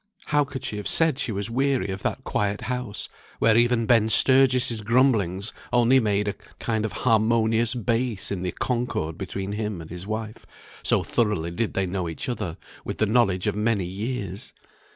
How could she have said she was weary of that quiet house, where even Ben Sturgis' grumblings only made a kind of harmonious bass in the concord between him and his wife, so thoroughly did they know each other with the knowledge of many years!